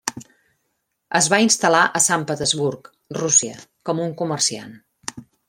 Es va instal·lar a Sant Petersburg, Rússia, com un comerciant.